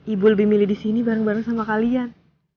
ibu lebih milih disini bareng bareng sama kalian